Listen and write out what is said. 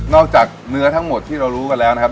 จากเนื้อทั้งหมดที่เรารู้กันแล้วนะครับ